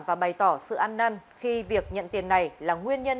và bày tỏ sự ăn năn khi việc nhận tiền này là nguyên nhân